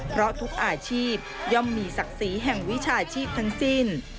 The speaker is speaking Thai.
เพราะทุกอาชีพย่อมมีศักดิ์ศรีแห่งวิชาชีพทั้งสิ้น